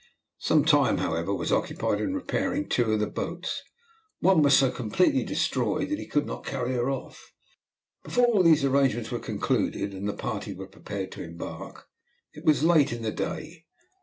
Some time, however, was occupied in repairing two of the boats; one was so completely destroyed that he could not carry her off. Before all these arrangements were concluded and the party were prepared to embark, it was late in the day.